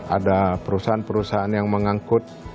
ada perusahaan perusahaan yang mengangkut